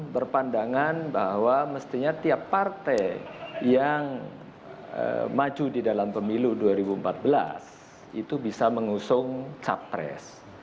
berpandangan bahwa mestinya tiap partai yang maju di dalam pemilu dua ribu empat belas itu bisa mengusung capres